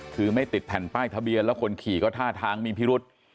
คือไม่ติดแผ่นป้ายทะเบียนแล้วคนขี่ก็ท่าทางมีพิรุษ